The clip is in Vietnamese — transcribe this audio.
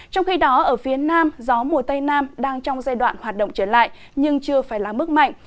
trong khi đó ở phía nam gió mùa tây nam đang trong giai đoạn hoạt động trở lại nhưng chưa phải là mức mạnh